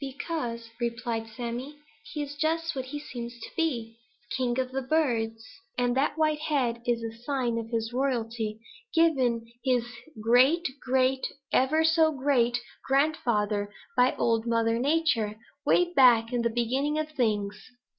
"Because," replied Sammy, "he is just what he looks to be, king of the birds, and that white head is the sign of his royalty given his great great ever so great grandfather by Old Mother Nature, way back in the beginning of things."